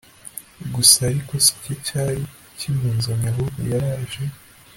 gusa ariko sicyo cyari kimuzanye ahubwo yaraje